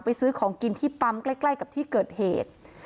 ซื้อของกินที่ปั๊มใกล้กับที่เกิดเหตุ